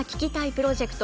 プロジェクト